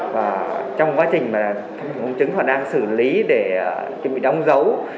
và trong quá trình công chứng họ đang xử lý để chuẩn bị đóng dấu